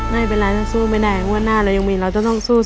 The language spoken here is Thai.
ไม่เป็นไรครับสู้ไปได้กันมีคนหน้าเยี่ยมอีกแล้วจะต้องสู้นะ